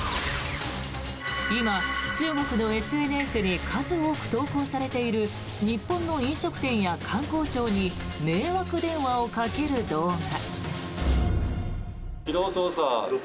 今、中国のＳＮＳに数多く投稿されている日本の飲食店や官公庁に迷惑電話をかける動画。